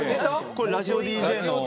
これラジオＤＪの。